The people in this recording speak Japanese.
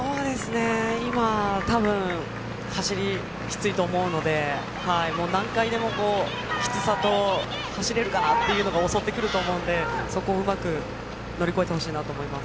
今、たぶん、走りきついと思うのでもう何回でもきつさと走れるかなっていうのが襲ってくると思うのでそこをうまく乗り越えてほしいなと思います。